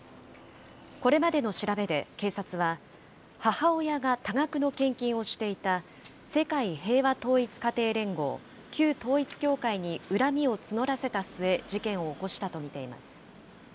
これまでの調べで警察は、母親が多額の献金をしていた世界平和統一家庭連合、旧統一教会に恨みを募らせた末、事件を起こしたと見ています。